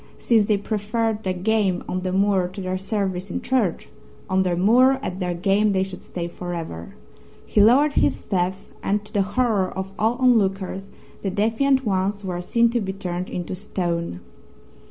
Since they preferred their game on the moor to their service in church, on the moor at their game they should stay for ever. He lowered his staff and to the horror of all onlookers the defiant ones were seen to be turned into stone.